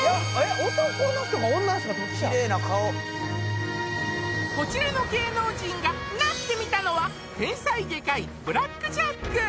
・男の人か女の人かどっちやこちらの芸能人がナッテミタのは天才外科医ブラック・ジャック